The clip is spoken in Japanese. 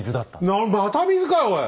なにまた水かいおい！